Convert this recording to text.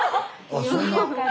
あそんな。